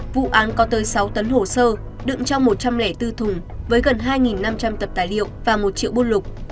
vụ án có tới sáu tấn hồ sơ đựng trong một trăm linh bốn thùng với gần hai năm trăm linh tập tài liệu và một triệu bôn lục